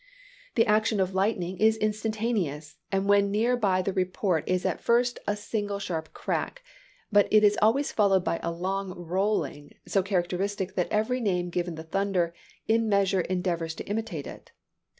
The action of lightning is instantaneous, and when near by the report is at first a single sharp crack; but it is always followed by a long rolling, so characteristic that every name given the thunder in a measure endeavors to imitate it.